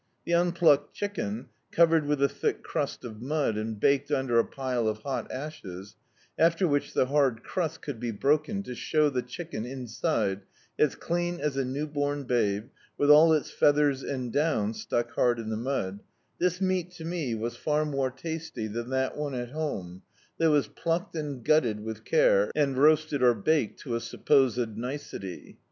The un plucked chicken, covered with a tliick crust of mud and baked under a pile of hot ashes, after which the hard crijst could be broken to show the chicken inside as clean as a new bom babe, with all its feathers and down stuck hard in the mud — this meat to me was far more tasty dian that one at home, that was plucked and gutted with care, and roasted or baked to a supposed nicety.